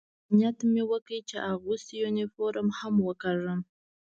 نیت مې وکړ، چې اغوستی یونیفورم هم وکاږم.